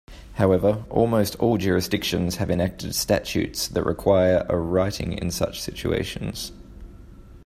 However, almost all jurisdictions have enacted statutes that require a writing in such situations.